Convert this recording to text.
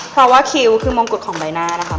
เพราะว่าคิ้วคือมงกุฎของใบหน้านะคะ